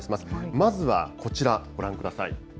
まずはこちら、ご覧ください。